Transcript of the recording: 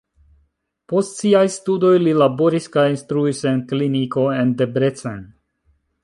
Post siaj studoj li laboris kaj instruis en kliniko en Debrecen.